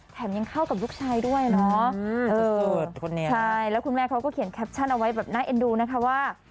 ยังเข้ากับลูกชายด้วยเนาะใช่แล้วคุณแม่เขาก็เขียนแคปชั่นเอาไว้แบบน่าเอ็นดูนะคะว่า